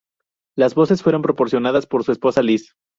Las voces fueron proporcionadas por su esposa Liz.